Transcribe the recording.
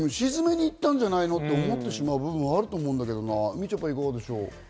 沈めに行ったんじゃないのと思ってしまう部分あると思うんですけどみちょぱ、どうでしょう？